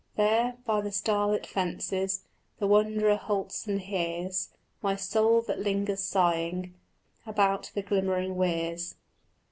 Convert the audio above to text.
There, by the starlit fences, The wanderer halts and hears My soul that lingers sighing About the glimmering weirs.